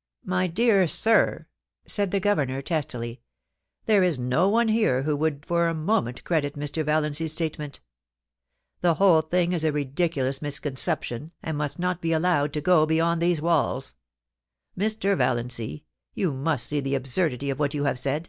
* My dear sir,' said the Governor, testily, * there is no one here who would for a moment credit Mr. Valiancy's state ment The whole thing is a ridiculous misconception, and must not be allowed to go beyond these walls. Mr. Vallanq, you must see the absurdity of what you have said.